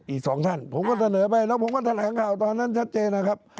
อีกสองท่านผมก็เสนอไปแล้วผมก็แถลงข่าวตอนนั้นชัดเจนนะครับ